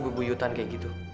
gue buyutan kayak gitu